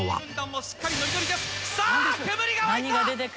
「さあ煙が湧いた。